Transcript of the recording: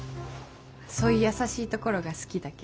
そういう優しいところが好きだけど。